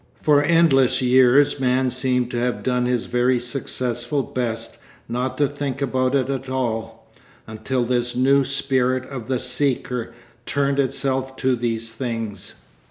For endless years man seems to have done his very successful best not to think about it at all; until this new spirit of the Seeker turned itself to these things.